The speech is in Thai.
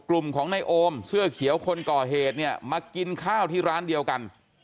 กลุ่มของในโอมเสื้อเขียวคนก่อเหตุเนี่ยมากินข้าวที่ร้านเดียวกัน